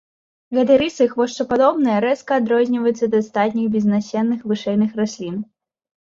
Гэтай рысай хвошчападобныя рэзка адрозніваюцца ад астатніх безнасенных вышэйшых раслін.